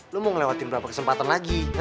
lo mau ngelewatin beberapa kesempatan lagi